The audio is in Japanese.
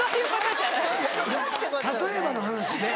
例えばの話で。